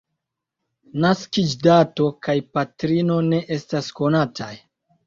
Naskiĝdato kaj patrino ne estas konataj.